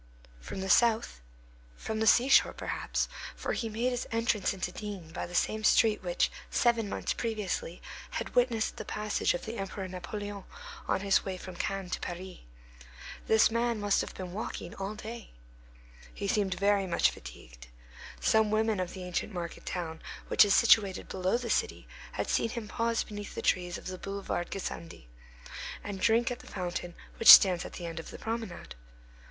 From the south; from the seashore, perhaps, for he made his entrance into D—— by the same street which, seven months previously, had witnessed the passage of the Emperor Napoleon on his way from Cannes to Paris. This man must have been walking all day. He seemed very much fatigued. Some women of the ancient market town which is situated below the city had seen him pause beneath the trees of the boulevard Gassendi, and drink at the fountain which stands at the end of the promenade.